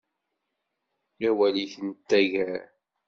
Awal-ik n taggar.